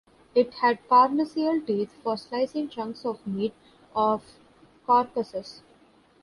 It had carnassial teeth for slicing chunks of meat off carcasses.